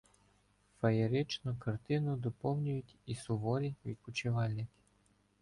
Феєричну картину доповнюють і «суворі» відпочивальники